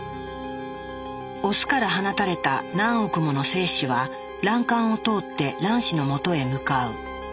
オスから放たれた何億もの精子は卵管を通って卵子のもとへ向かう。